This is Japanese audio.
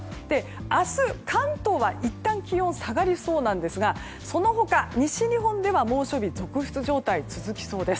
明日、関東はいったん気温は下がりそうなんですがその他、西日本では猛暑日続出状態が続きそうです。